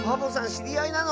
しりあいなの？